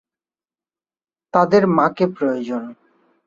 তাদের মাকে প্রয়োজন।